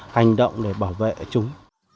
hành động để bảo vệ chúng